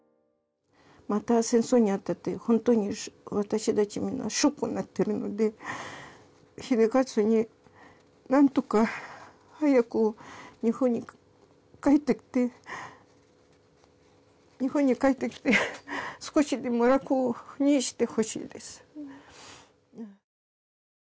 また戦争に遭ったって本当に私達みんなショックになってるので英捷に何とか早く日本に帰ってきて日本に帰ってきて少しでも楽にしてほしいです